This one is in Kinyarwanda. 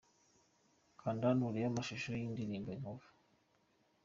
Kanda hano urebe amashusho y'iyi ndirimbo 'Inkovu' .